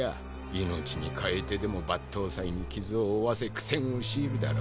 命に代えてでも抜刀斎に傷を負わせ苦戦を強いるだろう。